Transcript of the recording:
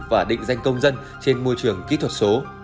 và định danh công dân trên môi trường kỹ thuật số